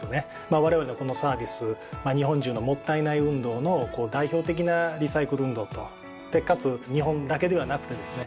われわれのこのサービス日本中のもったいない運動の代表的なリサイクル運動とでかつ日本だけではなくてですね